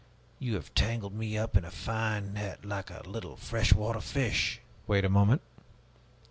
You have tangled me up in a fine net, like a little fresh water fish!" "Wait a moment.